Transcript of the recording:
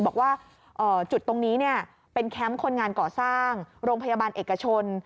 บอกว่าจุดตรงนี้เป็นแคมป์คนงานก่อสร้างโรงพยาบาลเอกชน